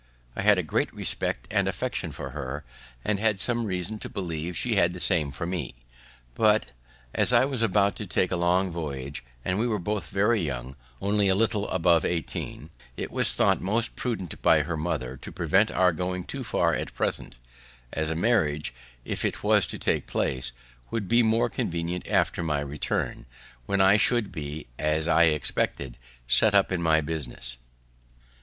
I had a great respect and affection for her, and had some reason to believe she had the same for me; but, as I was about to take a long voyage, and we were both very young, only a little above eighteen, it was thought most prudent by her mother to prevent our going too far at present, as a marriage, if it was to take place, would be more convenient after my return, when I should be, as I expected, set up in my business.